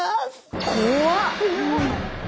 怖っ！